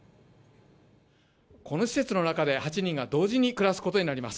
この施設の中で８人が同時に暮らすことになります。